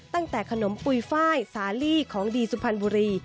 ตั้งแต่ขนมปุ่ยฝ้ายสาลีของดีสุภัณฑ์บุรี